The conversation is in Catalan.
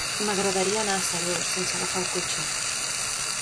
M'agradaria anar a Seròs sense agafar el cotxe.